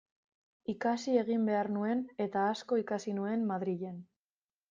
Ikasi egin behar nuen, eta asko ikasi nuen Madrilen.